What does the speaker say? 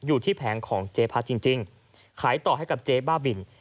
อยู่ที่แผงของเจ๊พัดจริงขายต่อให้กับเจ๊บ้าบิน